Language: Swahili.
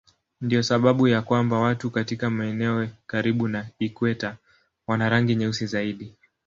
Ndiyo sababu ya kwamba watu katika maeneo karibu na ikweta wana rangi nyeusi zaidi.